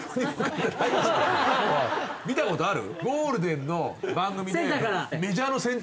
見たことある？